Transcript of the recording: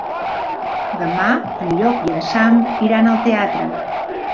Demà en Llop i en Sam iran al teatre.